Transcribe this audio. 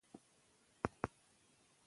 که واسکټ وي نو سړی نه بد ښکاریږي.